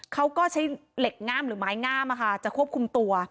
เขาก็ใช้เหล็กง่ามหรือไม้งามจะควบคุมตัว